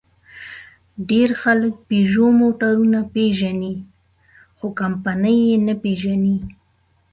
ډېر خلک پيژو موټرونه پېژني؛ خو کمپنۍ یې نه پېژني.